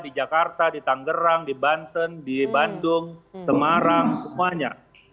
di jakarta di tanggerang di banten di bandung semarang semuanya